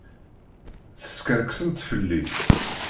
Teskerksemt fell-i.